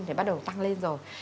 thì bắt đầu tăng lên rồi